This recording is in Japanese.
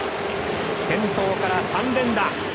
先頭から３連打。